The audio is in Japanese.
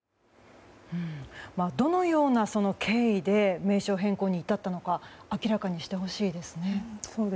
どのような経緯で名称変更に至ったのか明らかにしてほしいですね。